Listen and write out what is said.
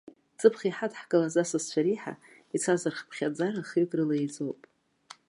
Ҵыԥх иҳадаҳкылаз асасцәа реиҳа, ицаз рхыԥхьаӡара хҩык рыла еиҵоуп!